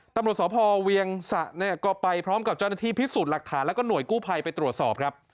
ตำรวจสพเวียงสะเนี่ยก็ไปพร้อมกับเจ้าหน้าที่พิสูจน์หลักฐานแล้วก็หน่วยกู้ภัยไปตรวจสอบครับ